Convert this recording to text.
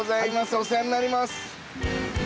お世話になります。